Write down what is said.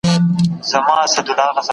تخلیقي جنبه په شعر او داستان کي لیدل کيږي.